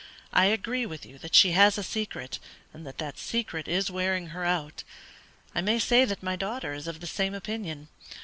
I agree with you that she has a secret, and that that secret is wearing her out. I may say that my daughter is of the same opinion.